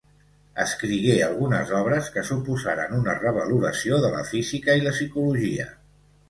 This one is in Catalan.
Escrigué algunes obres que suposaren una revaloració de la física i la psicologia.